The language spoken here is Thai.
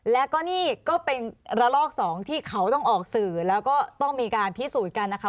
แล้วก็นี่ก็เป็นระลอกสองที่เขาต้องออกสื่อแล้วก็ต้องมีการพิสูจน์กันนะคะ